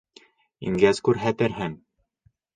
Ингәс күрһәтерһең.